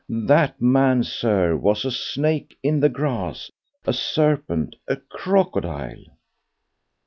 That man, Sir, was a snake in the grass—a serpent—a crocodile!